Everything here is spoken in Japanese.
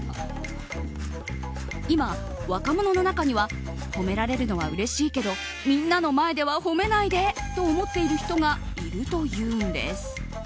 今、若者の中には褒められるのはうれしいけどみんなの前では褒めないでと思っている人がいるというんです。